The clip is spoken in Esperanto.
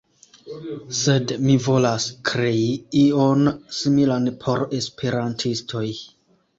Sed mi volas krei ion similan por esperantistoj